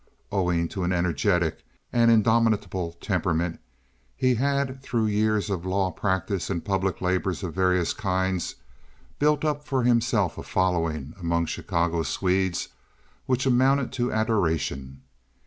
Owing to an energetic and indomitable temperament, he had through years of law practice and public labors of various kinds built up for himself a following among Chicago Swedes which amounted to adoration.